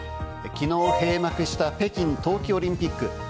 昨日閉幕した北京冬季オリンピック。